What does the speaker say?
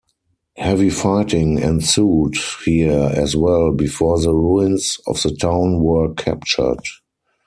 Heavy fighting ensued here as well before the ruins of the town were captured.